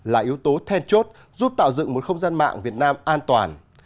là yếu tố then chốt giúp tạo dựng một không gian mạng việt nam an toàn